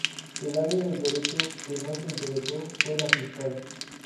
El área del Derecho que más le interesó fue la fiscal.